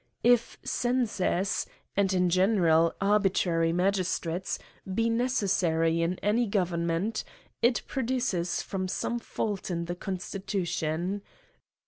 If censors, and, in general, arbitrary magistrates, be necessary in any government, it proceeds from some fault in the constitution.